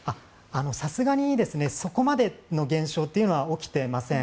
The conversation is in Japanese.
さすがにそこまでの現象というのは起きていません。